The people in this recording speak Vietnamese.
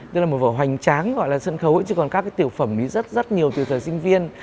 tức là một vở hoành tráng gọi là sân khấu chứ còn các tiểu phẩm rất rất nhiều từ thời sinh viên